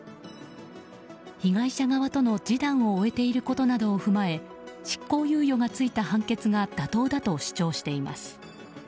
被害者側との示談を終えていることなどを踏まえ執行猶予がついた判決が妥当だと主張しています。